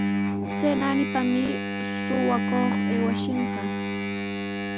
Chay naanipami suqakuq aywaskishqa.